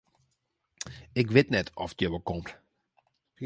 Ik wit net oft hja wol komt.